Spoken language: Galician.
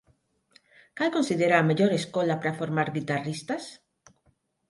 Cal considera a mellor escola para formar guitarristas?